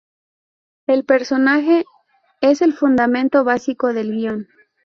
El personaje es el fundamento básico del guion.